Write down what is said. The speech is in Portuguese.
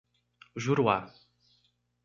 Juruá